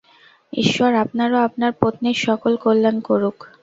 ঈশ্বর আপনার ও আপনার পত্নীর সকল কল্যাণ করুন।